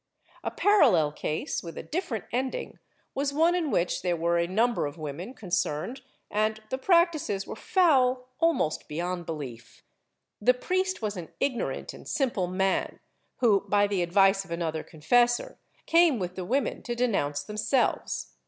^ A parallel case, with a different ending, was one in which there were a number of women concerned and the practices were foul almost beyond l^elief. The priest was an ignorant and simple man who, by the advice of another confessor, came with the women to denounce themselves.